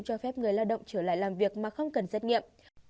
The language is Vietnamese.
cho phép người lao động trở lại làm việc mà không cần xét nghiệm